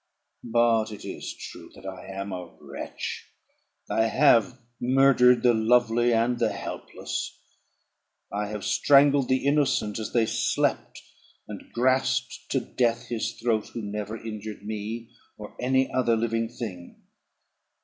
"But it is true that I am a wretch. I have murdered the lovely and the helpless; I have strangled the innocent as they slept, and grasped to death his throat who never injured me or any other living thing.